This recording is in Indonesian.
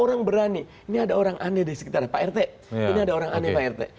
orang berani ini ada orang aneh di sekitar pak rt ini ada orang aneh pak rt